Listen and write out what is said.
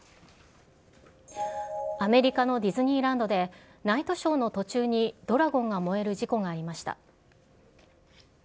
アメリカのディズニーランドで、ナイトショーの途中にドラゴンが燃える事故がありました。